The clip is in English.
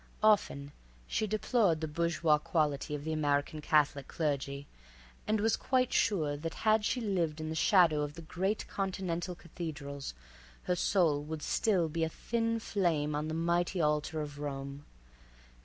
Often she deplored the bourgeois quality of the American Catholic clergy, and was quite sure that had she lived in the shadow of the great Continental cathedrals her soul would still be a thin flame on the mighty altar of Rome.